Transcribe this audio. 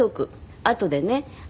あとでね